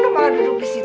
lu mau duduk disitu